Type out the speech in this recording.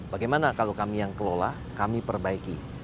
bagaimana kalau kami yang kelola kami perbaiki